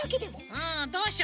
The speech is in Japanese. うんどうしようかな。